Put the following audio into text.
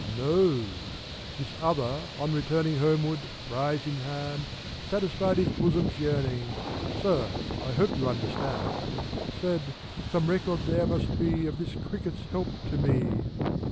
No ! This other, on returning Homeward, prize in hand, Satisfied his bosom's yearning : (Sir, I hope you understand !)— Said " Some record there must be Of this cricket's help to me